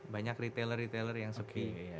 banyak retailer retailer yang seki